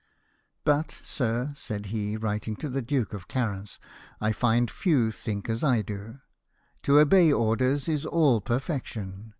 But, sir," said he, writing to the Duke of Clarence, " I find few think as I do. To obey orders is all perfection.